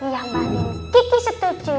ya mbak andien kiki setuju